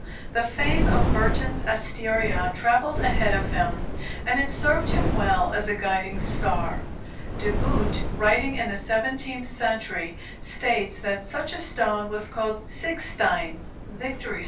The fame of Burton's asteria travelled ahead of him, and it served him well as a guiding star. De Boot, writing in the seventeenth century, states that such a stone was called Siegstein (victory stone) among the Germans.